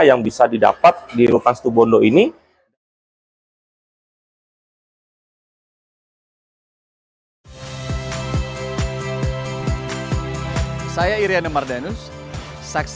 yang bisa dilakukan oleh allah swt